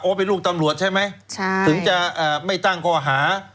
เป็นลูกตำรวจใช่ไหมถึงจะไม่ตั้งข้อหา